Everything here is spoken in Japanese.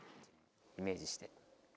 イメージして。